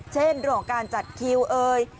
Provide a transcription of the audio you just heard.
เช่นหลวงการจัดคิวเอ้ย